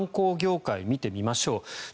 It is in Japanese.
観光業界を見てみましょう。